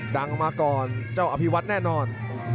ออกมาก่อนเจ้าอภิวัตแน่นอน